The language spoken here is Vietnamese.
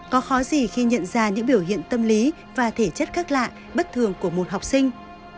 có khó gì khi nhận ra những biểu hiện tâm lý và thể chất khác lạ bất thường của một học sinh